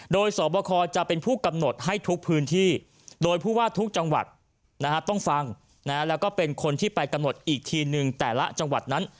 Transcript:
โดยสอบคอจะเป็นผู้กำหนดให้ทุกพื้นที่โดยผู้ว่าทุกจังหวัดต้องฟังแล้วก็เป็นคนที่ไปกำหนดอีกทีนึงแต่ละจังหวัดนั้น